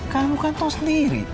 kamu kan tahu sendiri